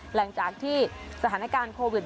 หลังจากที่สถานการณ์โควิด